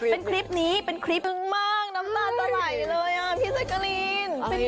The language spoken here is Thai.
เป็นคลิปนี้เป็นคลิปมากน้ำตาลตะไหลเลยอ่ะพี่แจ๊กกะรีน